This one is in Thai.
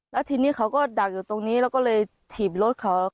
แล้วทีนี้เขาก็ดักอยู่ตรงนี้เราก็เลยถีบรถเขา